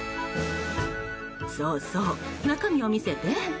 そうそう、中身を見せて。